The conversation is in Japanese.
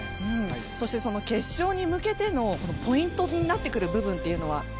そして決勝に向けてのポイントになってくる部分というのは？